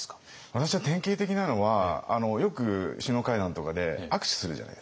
私は典型的なのはよく首脳会談とかで握手するじゃないですか。